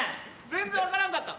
全然分からんかった。